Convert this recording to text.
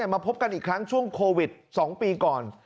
มาพบกันอีกครั้งช่วงโควิด๒ปีก่อน